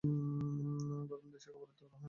গরমদেশে কাপড়ের দরকার হয় না।